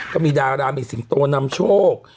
ก็มีดารามีสิงโตนำโชค